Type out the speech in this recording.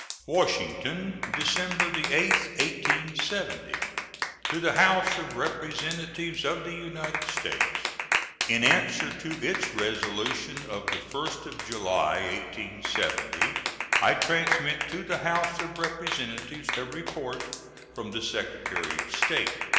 WASHINGTON, December 8, 1870. To the House of Representatives of the United States: In answer to its resolution of the 1st of July, 1870, I transmit to the House of Representatives a report from the Secretary of State.